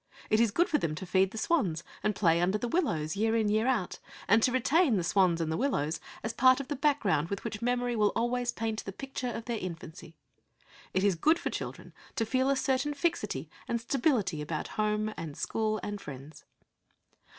It is good for them to feed the swans, and play under the willows, year in and year out, and to retain the swans and the willows as part of the background with which memory will always paint the picture of their infancy. It is good for children to feel a certain fixity and stability about home and school and friends.